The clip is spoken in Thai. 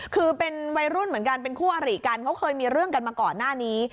คือเป็นวัยรุ่นเหมือนกันเป็นคู่อริกันเขาเคยมีเรื่องกันมาก่อนหน้านี้